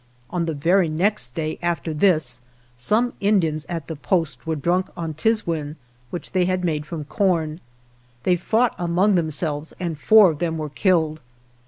On the very next day after this some Indians at the Post were drunk on "tiswin," which they had made from corn. They fought among themselves and four of them were killed.